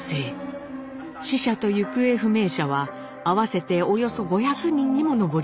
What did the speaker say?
死者と行方不明者は合わせておよそ５００人にも上りました。